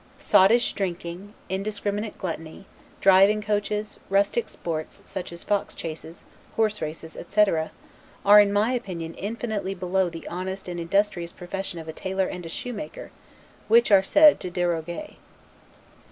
Sottish drinking, indiscriminate gluttony, driving coaches, rustic sports, such as fox chases, horse races, etc., are in my opinion infinitely below the honest and industrious profession of a tailor and a shoemaker, which are said to 'deroger'.